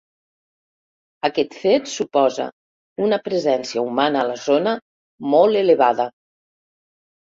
Aquest fet suposa una presència humana a la zona molt elevada.